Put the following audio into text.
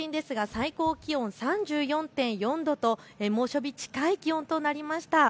きょう東京都心ですが最高気温３４．４度と猛暑日近い気温となりました。